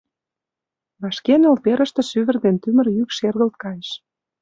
Вашке нӧлперыште шӱвыр ден тӱмыр йӱк шергылт кайыш.